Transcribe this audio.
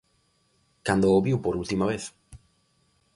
Cando o viu por última vez?